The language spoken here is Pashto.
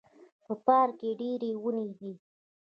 په پارک کې ډیري وني دي